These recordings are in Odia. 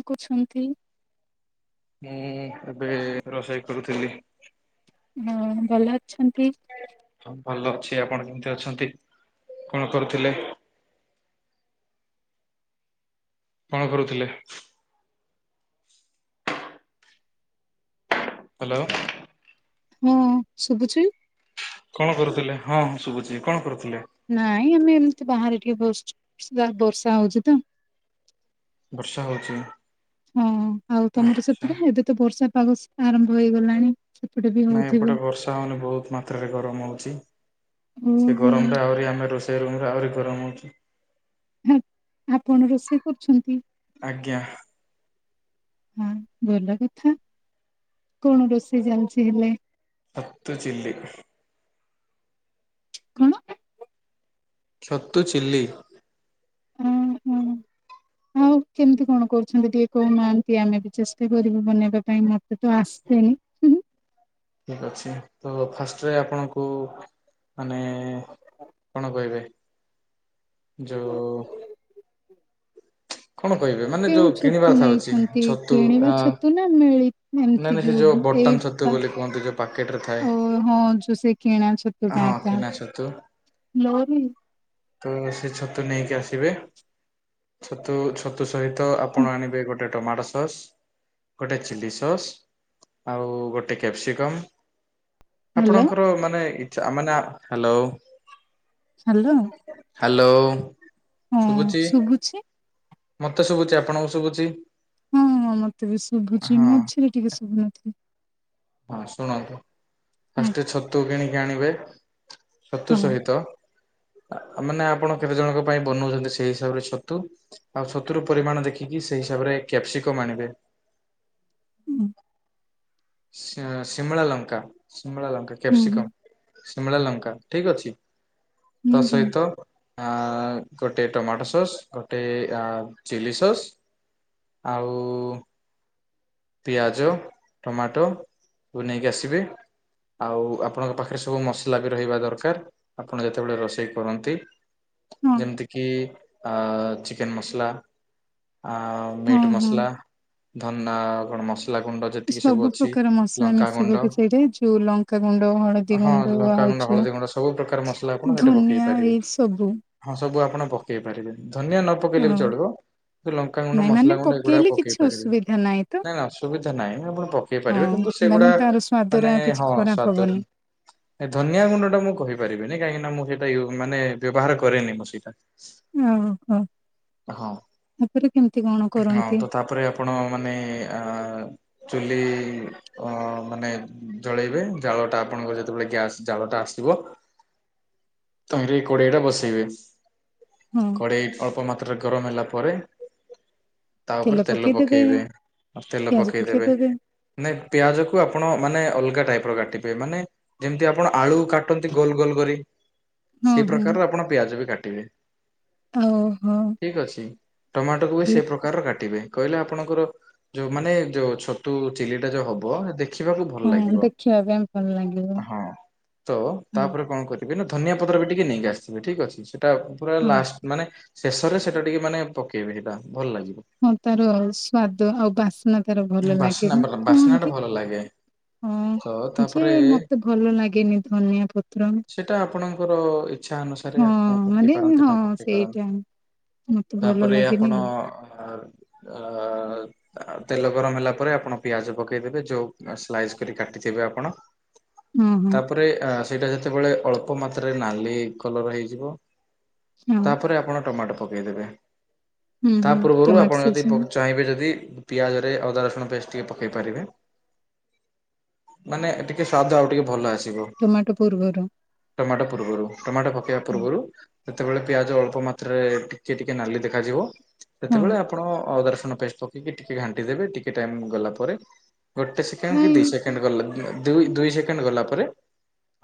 ରଖୁଛନ୍ତି ହୁଁ ଏବେ ରୋଷେଇ କରୁଥିଲି ହଁ ଭଲ ଅଛନ୍ତି ହ ଭଲ ଅଛି ଆପଣ କେମିତି ଅଛନ୍ତି କଣ କରୁଥିଲେ କଣ କରୁଥିଲେ ହ୍ୟାଲୋ ହଁ ଶୁଭୁଛୁ କଣ କରୁଥିଲେ ହଁଁ ଶୁଭୁଛି କଣ କରୁଥିଲେ ନାଇଁ ଆମେ ଏମିତି ବାହାରେ ଟିକେ ବସଛୁ ବର୍ଷା ହଉଛି ତ ବର୍ଷା ହଉଛି ହଁ ଆଉ ତମର ଆଚ୍ଛା ସେପଟେ ଏବେ ତ ବର୍ଷା ପାଗ ଆରମ୍ଭ ହେଇଗଲାଣି। ସେପଟେ ବି ନାଇଁ ହଉଥିବ। ଏପଟେ ବର୍ଷା ହଉନି ବହୁତ ମ ମାତ୍ରାରେ ଗରମ ହଉଛି ସେ ଓହୋ। ଗରମରେ ଆହୁରି ଆମେ ରୋଷେଇ ରୁମରେ ଆହୁରି ଗରମ ହଉଛି। ହ ଆପଣ ରୋଷେଇ କରୁଛନ୍ତି? ଆଜ୍ଞା। ହଁ ଭଲ କଥା କଣ ରୋଷେଇ ଚାଲିଛି ହେଲେ? ଛତୁ ଚିଲି। କଣ? ଛତୁ ଚିଲ୍ଲି। ଓହୋ। ଆଉ [unintelligible] କେମିତି କଣ କରୁଛନ୍ତି ଟିକେ କହୁନାହାନ୍ତି ଆମେ ବି ଚେଷ୍ଟା କରିବୁ ବନେଇବା ପାଇଁ ମତେ ତ ଆସେନି। ଠିକ୍ ଅଛି ତ ଫାଷ୍ଟରେ ଆପଣଙ୍କୁ ମାନେ କଣ କହିବେ ଯୋଉ ହୁଁ। କଣ କହିବେ ମାନେ ଯୋଉ କେଉଁ କିଣିବାର ଛତୁ ଥାଉଛି ନେଇଛନ୍ତି ଛତୁ କିଣିବା ଆ ଛତୁ ନା ମିଳି ନାଇଁ ଏମିତି ନାଇଁ ସେ ଯୋଉ ଏଇ ବଟନ ଛତୁ ବୋଲି କୁହନ୍ତି ଯୋଉ ପାକେଟ ରେ ଥାଏ ଓ ହଁ ଯୋଉ ସେ କିଣା ଛତୁ ଟା ହଁ ଆକା। କିଣା ଛତୁ। ଲୋରି। ତ ସେ ଛତୁ ନେଇକି ଆସିବେ। ଛତୁ ଛତୁ ସହିତ ଆପଣ ଆଣିବେ ଗୋଟେ ଟୋମାଟୋ ସସ୍। ଗୋଟେ ଚିଲ୍ଲି ସସ୍ ଆଉ ଗୋଟେ କ୍ୟାପ୍ସିକମ୍। ହ୍ୟାଲୋ ଆପଣଙ୍କର ମାନେ ଇଛା ମାନେ ହ୍ୟାଲୋ ହ୍ୟାଲୋ। ହ୍ୟାଲୋ, ଶୁଭୁଛି? ମତେ ଶୁଭୁଛି ଆପଣଙ୍କୁ ଶୁଭୁଛି? ହଁ ହଁ ମତେ ବି ଶୁଭୁଛି ହଁ ମଝିରେ ଟିକେ ଶୁଭୁନଥିଲା। ହଁ ଶୁଣନ୍ତୁ ଫାଷ୍ଟ ଛତୁ କିଣିକି ଆଣିବେ। ହଁ ଛତୁ ସହିତ ମାନେ ଆପଣ କେତେ ଜଣଙ୍କ ପାଇଁ ବନୋଉଛନ୍ତି ସେଇ ହିସାବରେ ଛତୁ। ଆଉ ଛତୁର ପରିମାଣ ଦେଖିକି ସେଇ ହିସାବରେ କ୍ୟାପ୍ସିକମ୍ ଆଣିବେ। ହୁଁ। ଶିମଳା ଲଙ୍କା- ଶିମଳା ଲଙ୍କା ହୁଁ କ୍ୟାପ୍ସିକମ୍। ହୁଁ ଶିମଳା ଲଙ୍କା ଠିକ୍ ଅଛି ତା ହୁଁ ସହିତ ଆ ଗୋଟେ ଟୋମାଟୋ ସସ୍, ଗୋଟେ ଚିଲ୍ଲି ସସ୍ ଆଉ ପିଆଜ ଟୋମାଟୋ କୁ ନେଇକି ଆସିବେ। ଆଉ ଆପଣଙ୍କ ପାଖରେ ସବୁ ମସଲା ବି ରହିବା ଦରକାର ଆପଣ ଯେତେବେଳେ ରୋଷେଇ କରନ୍ତି। ହଁ ଯେମିତି କିି ଆ ଚିକେନ୍‌ ମସଲା ଆ ହଁ ମିଟ୍ ହଁ ମସଲା ଧନା କଣ ମସଲା ଗୁଣ୍ଡ ଯେ ସବୁ ପ୍ରକାର ମସଲା ମିଶିବିକି ସେଇଠି ଯୋଉ ଲଙ୍କାଗୁଣ୍ଡ, ହଳଦୀ ହଁ ଗୁଣ୍ଡ, ଆଉ ଲଙ୍କାଗୁଣ୍ଡ ଯୋ ହଳଦୀ ଗୁଣ୍ଡ ସବୁ ପ୍ରକାର ମସଲା ଆପଣ ହେଠେ ପକେଇ ପାରିବେ ସବୁ ହଁ ସବୁ ଆପଣ ପକେଇ ପାରିବେ ଧନିଆ ନ ପକେଇଲେ ବି ହଁ ଚଳିବ ସେ ଲଙ୍କାଗୁଣ୍ଡ, ନାଇଁ ମାନେ ମସଲା ଗୁଣ୍ଡ, ଏଗୁଡ଼ାକ ପକେଇଲେ ପକେଇ କିଛି ପାରିବେ, ଅସୁବିଧା ନାହିଁ ତ ନା ସୁବିଧା ନାହିଁ ଆପଣ ପକେଇ ହଁ ପାରିବେ କିନ୍ତୁ ସେଗୁଡା ମାନେ ତାର ସ୍ଵାଦରେ ମାନେ ଆଉ କିଛି ହଁ ଖରାପ ହବନି। ସ୍ଵାଦରେ ଏ ଧନିଆ ଗୁଣ୍ଡ ଟା ମୁଁ କହିପାରିବିନି କାହିଁକିନା ମୁଁ ସେଇଟା ୟୁ ମାନେ ବ୍ୟବହାର କରେନି ମୁଁ ସେଇଟା। ଅହ ହଁ ତାପରେ କେମିତି କଣ ହଁ କରନ୍ତି? ତ ତାପରେ ଆପଣ ମାନେ ଚୁଲି ଅ ମାନେ ଜଳେଇବେ ଜାଳଟା ଆପଣଙ୍କ ଯେତେବେଳେ ଗ୍ୟାସ୍ ଜାଳଟା ଆସିବ ତହିଁରେ ଏଇ କଡ଼େଇଟା ବସେଇବେ। ହଁ କଡ଼େଇ ଅଳ୍ପ ମାତ୍ରାରେ ଗରମ ହେଲା ପରେ ତା ଉପରେ ତେଲ ପକେଇବେ, ତେଲ ପକେଇଦେବେ। ନାଇଁ ପିଆଜକୁ ଆପଣ ମାନେ ଅଲଗା ଟାଇପ୍ ର କାଟିବେ ମାନେ ଯେମିତି ଆପଣ ଆଳୁ କାଟନ୍ତି ଗୋଲ ଗୋଲ କରି। ହଁ ସେଇ ହଁ ପ୍ରକାରର ଆପଣ ପିଆଜ ବି କାଟିବେ ଓହୋ ଠିକ୍ ଅଛି। ଟମାଟୋକୁ ବି ହେଲେ ସେ ପ୍ରକାର କାଟିବେ କହିଲେ ଆପଣଙ୍କର ଯୋଉ ମାନେ ଯୋଉ ଛତୁ ଚିଲିଟା ଯୋଉ ହବ ଦେଖିବାକୁ ହଁ ଭଲ ଲାଗିବ। ଦେଖିବା ପାଇଁ ଭଲ ଲାଗିବ। ହଁ ତ ହଁ। ତାପରେ କଣ କରିବି ନା ଧନିଆ ପତ୍ର ବି ଟିକେ ନେଇକି ଆସିିବେ। ଠିକ୍ ଅଛି ସେଟା ପୁରା ହଁ ଲାଷ୍ଟ ମାନେ ଶେଷରେ ସେଟା ଟିକେ ମାନେ ପକେଇବେ ସେଇଟା ଭଲ ଲାଗିବ। ହଁ ତାର ସ୍ଵାଦ ଆଉ ବାସ୍ନା ତାର ଭଲ ଲାଗେ ବାସ୍ନା ଭଲ ମଏମତି ବାସ୍ନା ଟା କୁହନ୍ତି। ଭଲ ଲାଗେ ତ ହଁ ଯେ ତାପରେ ମତେ ଭଲ ଲାଗେନି ଧନିଆ ପତ୍ର। ସେଟା ଆପଣଙ୍କର ଇଚ୍ଛା ଅନୁସାରେ ହଁ ଆପଣ ପକେଇ ମାନେ ପାରନ୍ତି ହଁ ନ ପକେଇ ପାରନ୍ତି। ସେଇଟା ମତେ ଭଲ ତାପରେ ଲାଗେନି ଆପଣ ଆଉ ଅ ଅ ତେଲ ଗରମ ହେଲା ପରେ ଆପଣ ପିଆଜ ପକେଇଦେବେ ଯଉ ସ୍ଲାଇସ୍ କରି କାଟିଥିବେ ଆପଣ। ହଁ ହଁ ତାପରେ ସେଇଟା ଯେତେବେଳେ ଅଳ୍ପ ମାତ୍ରାରେ ନାଲି କଲର ହେଇଯିବ। ହଁ ତାପରେ ଆପଣ ଟମାଟୋ ପକେଇଦେବେ। ହୁଁ ତା ହୁଁ ପୂର୍ବରୁ ଟମାଟୋ ଆପଣ ଯଦି ସିଝେନି ଚାହିଁବେ ଯଦି ପିଆଜ ରେ ଅଦା ରସୁଣ ପେଷ୍ଟ ଟିକେ ପକେଇ ପାରିବେ। ମାନେ ଟିକେ ସ୍ୱାଦ ଆଉ ଟିକେ ଭଲ ଆସିବ। ଟମାଟୋ ପୂର୍ବରୁ। ଟମାଟୋ ପୂର୍ବରୁ ଟମାଟୋ ପକେଇବା ହୁଁ। ପୂର୍ବରୁ। ସେତେବେଳେ ପିଆଜ ଅଳ୍ପ ମାତ୍ରାରେ ଟିକେ ଟିକେ ନାଲି ଦେଖାଯିବ। ହଁ ସେତେବେଳେ ଆପଣ ଅଦାରସୁଣ ପେଷ୍ଟ ପକେଇକି ଟିକେ ଘାଣ୍ଟି ଦେବେ ଟିକେ ଟାଇମ୍ ଗଲା ପରେ। ଗୋଟେ ସେକେଣ୍ଡ କି ନାଇଁ ଦି ସେକେଣ୍ଡ ଗଲା ଦୁଇ ସେକେଣ୍ଡ ଗଲା ପରେ।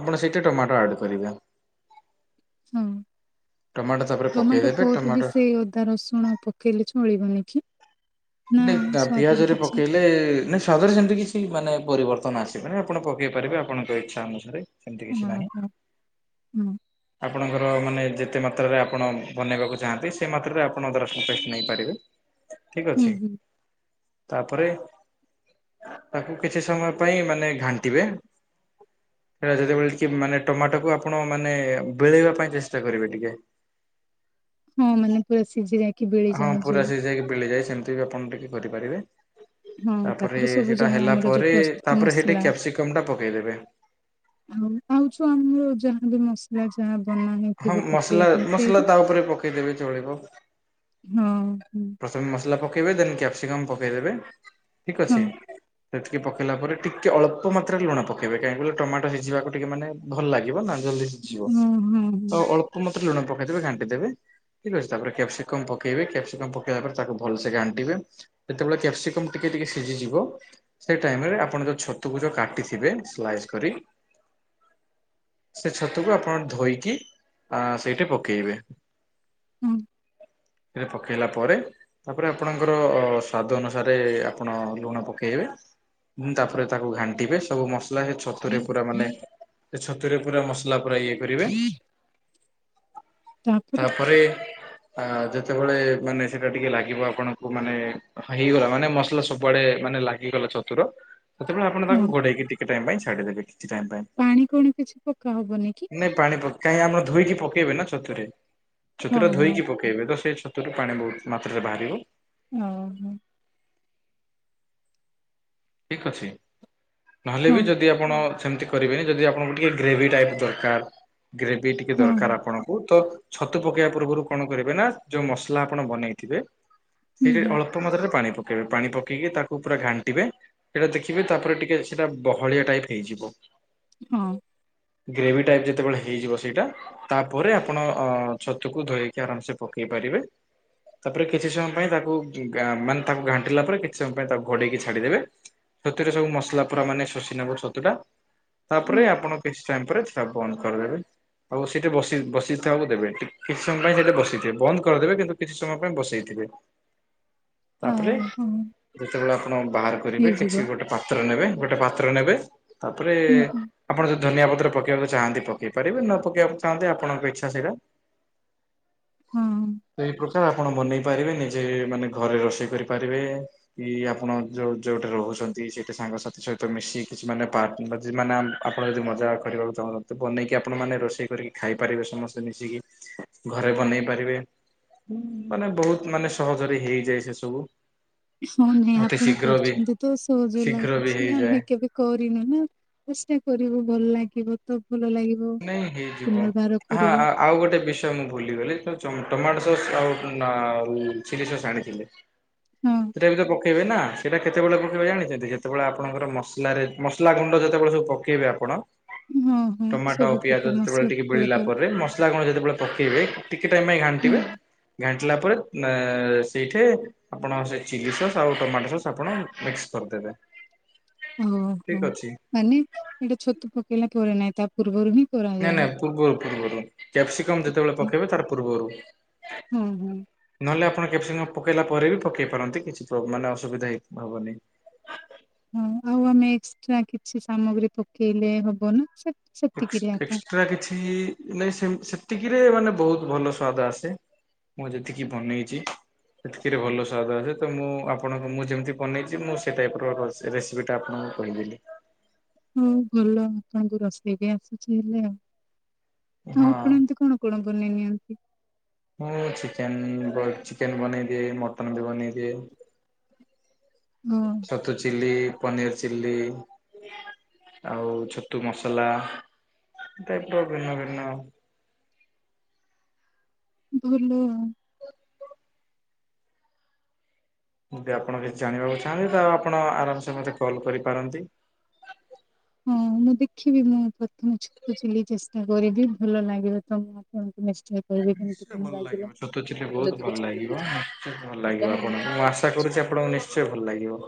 ଆପଣ ସେଇଠି ଟମାଟୋ ଆଡ୍ କରିବା। ହଁ ଟମାଟୋ ତାପରେ ଟମାଟୋ ପକେଇଦେବେ ପୋରୀ ବି ଟମାଟୋ ସେ ଅଦା ରସୁଣ ପକେଇଲେ ଚଳିବନି କିି? ନାଇଁ ତା ପିଆଜରେ ପକେଇଲେ ଏ ନାହିଁ ସ୍ଵାଦରେ ସେମିତି କିଛି ମାନେ ପରିବର୍ତ୍ତନ ଆସିବନି, ମାନେ ଆପଣ ପକେଇ ପାରିବେ ଆପଣଙ୍କ ଇଚ୍ଛା ଅନୁସାରେ। ସେମତି ହଁ କିଛି ହଁ ନାହିଁ। ହଁ ଆପଣଙ୍କର ମାନେ ଯେତେ ମାତ୍ରାରେ ଆପଣ ବନେଇବାକୁ ଚାହାନ୍ତି ସେ ମାତ୍ରାରେ ଆପଣ ଅଦା ରସୁଣ ପେଷ୍ଟ ନେଇପାରିବେ। ଠିକ୍ ହୁଁ ଅଛି। ହୁଁ ତାପରେ ତାକୁ କିଛି ସମୟ ପାଇଁ ମାନେ ଘାଣ୍ଟିବେ। ସେଇଟା ଯେତେବେଳେ ଟିକେ ମାନେ ଟମାଟୋକୁ ଆପଣ ମାନେ ବେଳେଇବା ପାଇଁ ଚେଷ୍ଟା କରିବେ ଟିକେ। ହଁ ମାନେ ପୁରା ସିଝି ଯାଇକ୍ ହଁ ପୁରା ସିଝି ଯାଇକି ପେଳିଯାଇ ସେମତି ବି ଆପଣ ଟିକେ କରିପାରିବେ। ହଁ ତାପରେ ସବୁ ସେଇଟା ଯାହା ହେଲା ଆମର ଯୋଉ ପରେ ପ୍ରସ୍ତୁତ ତାପରେ ହେଟେ ମସଲା କ୍ୟାପ୍ସିକମ୍ ଟା ପକେଇଦେବେ। ଆଉ ଆଉଛୁ ଆମର ଯାହା ବି ମସ୍ ନା ଯାହା ବନା ହଁ ହେଇଥିବ ମସଲା ପକେଇବା ପାଇଁ ମସଲା ସେଇଠି? ତା ଉପରେ ପକେଇଦେବେ ଚଳିବ। ହଁ ହୁଁ। ପ୍ରଥମେ ମସଲା ପକେଇବେ ଦେନ୍ କ୍ୟାପ୍ସିକମ୍ ପକେଇଦେବେ, ଠିକ୍ ଅଛି। ହଁ ସେଠିକି ପକେଇଲା ପରେ ଟିକେ ଅଳ୍ପ ମାତ୍ରାରେ ଲୁଣ ପକେଇବେ କାହିଁ କହିଲେ ଟମାଟୋ ସିଝିବାକୁ ଟିକେ ମାନେ ଭଲ ଲାଗିବ ନା ଜଲଦି ସିଝିବ। ହଁ ହଁ ତ ହଁ ଅଳ୍ପ କୁ ମତେ ଲୁଣ ପକେଇଦେବେ ଘାଣ୍ଟି ଦେବେ ଠିକ ଅଛି ତାପରେ କ୍ୟାପ୍ସିକମ୍ ପକେଇବେ କ୍ୟା୍ପ୍ସିକମ୍ ପ ତାପରେ ତାକୁ ଭଲସେ ଘାଣ୍ଟିବେ ଯେତେବେଳେ କ୍ୟାପ୍ସିକମ୍ ଟିକେ ଟିକେ ସିଝିଯିବ ସେଇ ଟାଇମରେ ଆପଣ ଯୋଉ ଛତୁକୁ ଯୋଉ କାଟିଥିବେ ସ୍ଲାଇସ୍ କରି ସେ ଛତୁକୁ ଆପଣ ଧୋଇକି ଆ ସେଇଠି ପକେଇବେ। ହୁଁ। ସେଠେ ପକେଇଲା ପରେ ତାପରେ ଆପଣଙ୍କର ସ୍ଵାଦ ଅନୁସାରେ ଆପଣ ଲୁଣ ପକେଇବେ। ହୁଁ ତାପରେ ତାକୁ ଘାଣ୍ଟିବେ ସବୁ ମସ୍ ଲା ହେ ଛତୁରେ ପୁରା ମାନେ ସେ ଛତୁରେ ପୁରା ମସଲା ପୁରା ଇଏ କରିବେ। ତାପରେ ଆ ଯେତେବେଳେ ମାନେ ସେଇଟା ଟିକେ ଲାଗିବ ଆପଣଙ୍କୁ ମାନେ ହେଇଗଲା ମାନେ ମସଲା ସବୁଆଡେ ମାନେ ଲାଗିଗଲା ଛତୁର ସେତେବେଳେ ଆପଣ ହଁ ତାକୁ ଘଡେଇକି ଟିକେ ଟାଇମ୍ ପାଇଁ ଛାଡିଦେବେ କିଛି ଟାଇମ୍ ପାଇଁ। ପାଣି ପୋଣି କିଛି ପକା ହବନି କି? ନାଇଁ ପାଣି ପକେ କାହିଁ ଆମର ଧୋଇକି ପକେଇବେ ନା ଛତୁରେ ହଁ ଛତୁଟା ହଁ ଧୋଇକି ପକ୍ କେଇବେ ତ ସେ ଛତୁରୁ ପାଣି ବହୁତ ମାତ୍ରାରେ ବାହାରିବ। ଓ ହୋ। ଠିକ୍ ଅଛି, ନହେଲେ ବି ହଁ ଯଦି ଆପଣ ସେମତି କରିବେନି ଯଦି ଆପଣଙ୍କୁ ଟିକେ ଗ୍ରେଭି ଟାଇପ ଦରକାର ଗ୍ରେଭି ଟିକେ ହଁ ଦରକାର ଆପଣ କୁତ ଛତୁ ପକେଇବା ପୂର୍ବରୁ କଣ କରିବେ ନା ଯୋଉ ମସଲା ଆପଣ ବନେଇଥିବେ ହୁଁ ସେଠେ ହୁଁ ଅଳ୍ପ ମାତ୍ରାରେ ପାଣି ପକେଇବେ ପାଣି ପକେଇକି ତାକୁ ପୁରା ଘାଣ୍ଟିବେ। ସେଇଟା ଦେଖିବେ ତାପରେ ଟିକେ ସେଇଟା ବହଳିଆ ଟାଇପ୍ ହେଇଯିବ। ହଁ। ଗ୍ରେଭି ଟାଇପ ଯେତେବେଳେ ହେଇଯିବ ସେଇଟା ତାପରେ ଆପଣ ଅ ଛତୁକୁ ଧୋଇକି ଆରାମସେ ପକେଇ ପାରିବେ। ତାପରେ କିଛି ସମୟ ପାଇଁ ତାକୁ ଘା ମାନେ ତାକୁ ଘାଣ୍ଟିଲା ପରେ କିଛି ସମୟ ପାଇଁ ତାକୁ ଘୋଡେଇକି ଛାଡିଦେବେ। ଛତୁରେ ସବୁ ମସଲା ପୁରା ମାନେ ଶୋଷିନବ ଛତୁ ଟା ହଁ ତାପରେ ଆପଣ କିଛି ଟାଇମ୍ ପରେ ତା ବନ୍ଦ କରିଦେବେ। ଆଉ ସେଇଠି ବସି ବସିଥାବୁ ଦେବେ କିଛି ସମୟ ପାଇଁ ସେଇଠି ବସିଥିବେ ବନ୍ଦ କରିଦେବେ କିନ୍ତୁ କିଛି ସମୟ ପାଇଁ ବସେଇଥିବେ। ତାପରେ ହଁ ହଁ ଯେତେବେଳେ ଆପଣ ବାହାର କରିବେ ହେଇଯିବ ଗୋଟେ ପାତ୍ର ନେବେ ଗୋଟେ ପାତ୍ର ନେବେ ତାପରେ ହୁଁ ହୁଁ। ଆପଣ ଯ ଧନିଆ ପତ୍ର ପକେଇବାକୁ ଚାହାନ୍ତି ପକେଇ ପାରିବେ ନ ପକେଇବାକୁ ଚାହାନ୍ତି ଆପଣଙ୍କ ଇଚ୍ଛା ସେଇଟା। ହଁ ଏହି କଥା ଆପଣ ବନେଇ ପାରିବେ ନିଜେ ମାନେ ଘରେ ରୋଷେଇ କରିପାରିବେ କି ଆପଣ ଯୋଉ ଯୋଉଠେ ରହୁ ଛନ୍ତି ସେଠି ସାଙ୍ଗସାଥି ସହିତ ମିଶି କିଛି ମାନେ ପାର୍କ ମାନେ ଆପଣ ଯଦି ମଜା କରିବାକୁ ଚାହୁଁଛନ୍ ତ ବନେଇକି ଆପଣ ମାନେ ରୋଷେଇ କରିକି ଖାଇପାରିବେ ସମସ୍ତେ ମିଶିକି ଘରେ ବନେଇ ପାରିବେ ମାନେ ବହୁତ୍ ମାନେ ସହଜରେ ହେଇଯାଏ ସେସବୁ। ହଉ- ନାଇଁ ଆପଣ କରୁଚନ୍ତି ତ ସହଜ ଶୀଘ୍ର ବି ଲାଗୁଚି ହେଇଯାଏ ଆମେ କେବେ କରିନୁ ନା ଚେଷ୍ଟା କରିବୁ ଭଲ ଲାଗିବ ତ ଭଲ ଲାଗିବ ନାଇଁ ହେଇଯିବ। ଉ-ପୁନର୍ବାର ହଁ କରିବୁ। ଆଉ ଗୋଟେ ବିଷୟ ମୁଁ ଭୁଲିଗଲି ତ ଚ-ଟମାଟୋ ସସ୍ ଆଉ ଉଁ-ଆ-ଉ ଚିଲି ସସ୍ ଆଣିଥିଲି। ହଁ। ସେଟା ବି ତ ପକେଇବେ ନା ସେଟା କେତେବେଳେ ପକେଇବେ ଜାଣିଚନ୍ତି ଯେତେବେଳେ ଆପଣଙ୍କର ମସଲାରେ -ମସଲା ଗୁଣ୍ଡ ଯେତେବେଳେ ସବୁ ପକେଇବେ ଆପଣ ଉଁ -ହଁ। ଟମାଟୋ ଆଉ ସବୁ ପିଆଜ ପ୍ରକାର ଯେତେବେଳେ ମସଲା ଟିକେ ପକେଇଲା ବିଳିଲା ପରେ ମସଲା କଣ ଯେତେବେଳେ ପକେଇବେ ଟିକେ ଟାଇମ୍ ପାଇଁ ହୁଁ ଘାଣ୍ଟିବେ ହୁଁ, ଘାଣ୍ଟିଲା ପରେ ନା-ସେଇଠେ ଆପଣ ସେ ଚିଲି ସସ୍ ଆଉ ଟମାଟୋ ସସ୍ ଆପଣ ମିକ୍ସ କରିଦେବେ। ଓହୋ ଠିକ ଅଛି ମାନେ ଏଇଟା ଛତୁ ପକେଇଲା ପରେ ନାହିଁ ତା ପୂର୍ବରୁ ହିଁ ନାଇଁ କରାଯାଏ। ନାଇଁ ପୂର୍ବରୁ ପୂର୍ବରୁ କ୍ୟାପସିକମ୍ ଯେତେବଳେ ପକେଇବେ ତାର ପୂର୍ବରୁ ହଁ -ହଁ। ନହେଲେ ଆପଣ କ୍ୟାପ୍ସିକମ୍ ପକେଇଲା ପରେ ବି ପକେଇ ପାରନ୍ତି କିଛି ପ୍ରୋ-ମାନେ ଅସୁବିଧା ହେଇ- ହବନି। ହଁ ଆଉ ଆମେ ଏକ୍ସଟ୍ରା କିଛି ସାମଗ୍ରୀ ପକେଇଲେ ହବ ନା? ସେ ସେତିକିରେ ଏକ୍ସ୍- ଆକା। ଏକ୍ସଟ୍ରା କିଛି ନାଇଁ ସେମ୍ -ସେତିକିରେ ମାନେ ବହୁତ୍ ଭଲ ସ୍ଵାଦ ଆସେ। ମୁଁ ଯେତିକି ବନେଇଚି। ଏତିକିରେ ଭଲ ସ୍ଵାଦ ଆସେ ତ ମୁଁ ଆପଣଙ୍କୁ ମୁଁ ଯେମିତି ବନେଇଚି ମୁଁ ସେ ଟାଇପ୍ ର ର ସେ ରେସିପି ଟା ଆପଣଙ୍କୁ କହିଦେଲି। ହଉ ଭଲ ଆପଣଙ୍କୁ ରୋଷେଇ ବି ଆସୁଚି ହେଲେ ଆଉ - ଆଉ ହଁ ଆପଣ ଏମତି କଣ କଣ ବନେଇ ନିଅନ୍ତି? ମୁଁ ଚିକେନ୍ ବ-ଚିକେନ୍ ବନେଇଦିଏ ମଟନ ବି ବନେଇ ଦିଏ। ହ ହଁ। ଛତୁ ଚିଲ୍ଲି, ପନିର୍ ଚିଲ୍ଲି ଆଉ ଛତୁ ମସଲା ଟାଇପ୍ ର ଭିନ୍ନ ଭିନ୍ନ ଭଲ ଆଉ। ଯଦି ଆପଣ କିଛି ଜାଣିବାକୁ ଚାହାଁନ୍ତି ତ ଆପଣ ଆରାମ୍ ସେ ମତେ କଲ୍ କରିପାରନ୍ତି। ହଁ ମୁଁ ଦେଖିବି ମୁଁ ପ୍ରଥମେ ଛତୁ ଚିଲ୍ଲୀ ଚେଷ୍ଟା କରିବି ଭଲ ଲାଗିବ ତମ ଫୋନ୍ କୁ ମେସେ ନିଶ୍ଚୟ ଭଲ ଲାଗିବ ଛତୁ ଚିଲ୍ଲୀ ଆଉ ବହୁତ୍ ଯଦି ଭଲ କିଛି ଲାଗିବ ଭୁଲ ନିଶ୍ଚୟ ଭଲ ଲାଗିବ ଆପଣଙ୍କୁ ମୁଁ ଆଶ୍ ଆଶା କରୁଚି ଆପଣଙ୍କୁ ନିଶ୍ଚୟ ଭଲ୍ ଲାଗିବ।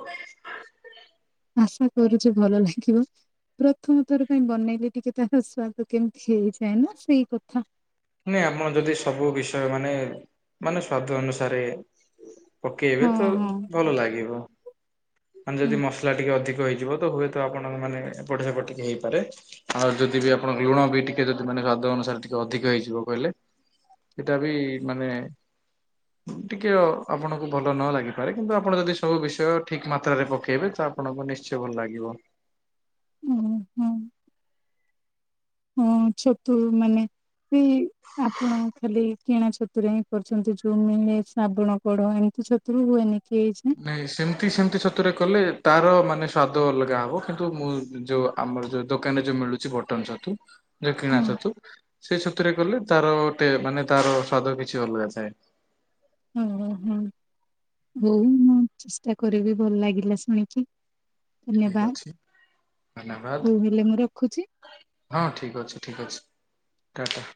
ଆଶା କରୁଚି ଭଲ ଲାଗିବ। ପ୍ରଥମ ଥର ପାଇଁ ବନେଇଲେ ଟିକେ ତାର ସ୍ଵାଦ କେମିତି ହେଇଯାଏ ନା ସେଇ କଥା। ନାଁଇ ଆମର ଯଦି ସବୁ ବିଷୟ ମାନେ- ମାନେ ସ୍ଵାଦ ଅନୁସାରେ ପକେଇବେ ହଁ ତ ହଁ ଭଲ ଲାଗିବ ମାନେ ଯଦି ମସଲା ଟିକେ ଅଧିକ ହେଇଯିବ ତ ହୁଏ ତ ଆପଣଙ୍କ ମାନେ ଏପଟ ସେପଟ୍ ଟିକେ ହେଇପାରେ। ଆଉ ଯଦି ବି ଆପଣ ଲୁଣ ବି ଟିକେ ଯଦି ମାନେ ସ୍ଵାଦ ଅନୁସାରେ ଟିକେ ଅଧିକ ହେଇଯି ଯିବ କହିଲେ ସେଟା ବିି ମାନେ ଟିକେ ଅ-ଆପଣଙ୍କୁ ଭଲ ନ ଲାଗିପାରେ କିନ୍ତୁ ଆପଣ ଯଦି ସବୁ ବିଷୟ ଠିକ୍ ମାତ୍ରାରେ ପକେଇବେ ତା ଆପଣଙ୍କୁ ନିଶ୍ଚୟ ଭଲ ଲାଗିବ। ଓ- ହଁ। ହଁ ଛତୁ ମାନେ ସେଇ ଆପଣ ଖାଲି କିଣା ଛତୁରେ ହିଁ କରିଚନ୍ତି ଯଉ ମିଳେ ଶ୍ରାବଣ କଢ ଏମିତି ଛତ୍ ତୁ ହୁଏନି କି ଏଇ ଯେ ନାହିଁ ସେମିତି -ସେମିତି ଛତୁରେ କଲେ ତାର ମାନେ ସ୍ୱାଦ ଅଲଗା ହବ କିନ୍ତୁ ମୁଁ ଯଉ ଆମର ଯଉ ଦୋକାନ୍ ରେ ଯଉ ମିଳୁଚି ବଟନ୍ ଛତୁ ଯୋଉ କିଣା ହଁ ଛତୁ ସେଇ ଛତୁରେ କଲେ ତାର ଗୋଟେ ମାନେ ତାର ସ୍ଵାଦ କିଛି ଅଲଗା ଥାଏ। ଓ ହଁ ହଉ ମୁଁ ଚେଷ୍ଟା କରିବି ଭଲ ଲାଗିଲା ଶୁଣିକି। ଠିକ ଧନ୍ୟବାଦ୍ ଅଛି ଧନ୍ୟବାଦ ହୋଉ ହେଲେ ମୁଁ ରଖୁଛି। ହଁ ଠିକ୍ ଅଛି ଠିକ୍ ଅଛି ଟା ଟା।